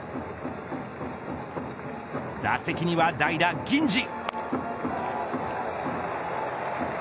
打席には代打、銀次。